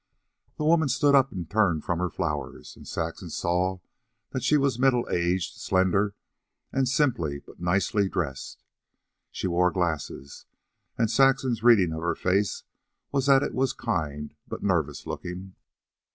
The woman stood up and turned from her flowers, and Saxon saw that she was middle aged, slender, and simply but nicely dressed. She wore glasses, and Saxon's reading of her face was that it was kind but nervous looking.